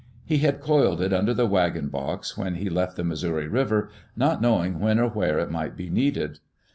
He had coiled it under the wagon box when he left the Missouri River, not knowing when or where it might be needed.